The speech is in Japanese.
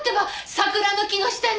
桜の木の下に。